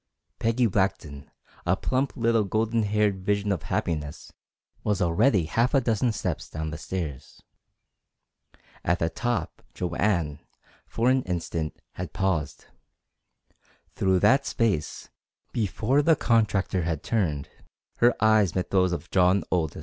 Peggy Blackton, a plump little golden haired vision of happiness, was already half a dozen steps down the stairs. At the top Joanne, for an instant, had paused. Through that space, before the contractor had turned, her eyes met those of John Aldous.